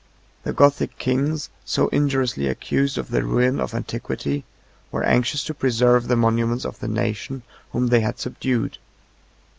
64 The Gothic kings, so injuriously accused of the ruin of antiquity, were anxious to preserve the monuments of the nation whom they had subdued.